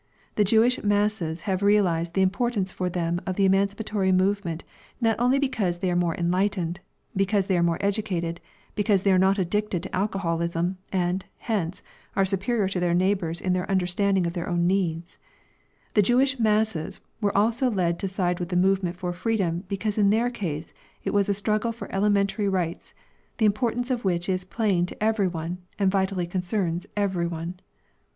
The Jewish masses have realised the importance for them of the emancipatory movement not only because they are more enlightened, because they are more educated, because they are not addicted to alcoholism, and, hence, are superior to their neighbours in their understanding of their own needs; the Jewish masses were also led to side with the movement for freedom because in their case it was a struggle for elementary rights the importance of which is plain to every one and vitally concerns every one.